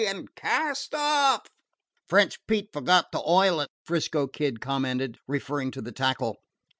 and "Cast off!" "French Pete forgot to oil it," 'Frisco Kid commented, referring to the tackle.